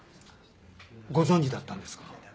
ご存じだったんですか？